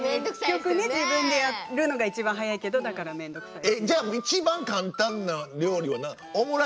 結局ね自分でやるのが一番早いけどだからめんどくさいし。